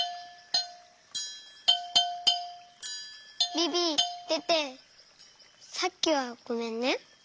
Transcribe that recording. ビビテテさっきはごめんね。